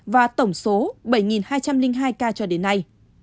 và tổng số bảy hai trăm linh hai ca cho đến nay